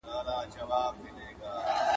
شاه د قانون منل ټولو ته مساوي کړ.